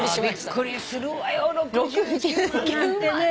びっくりするわよ６９万なんてね。